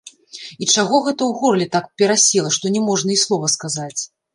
І чаго гэта ў горле так перасела, што не можна й слова сказаць?